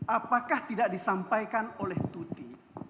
apakah tidak disampaikan oleh tuti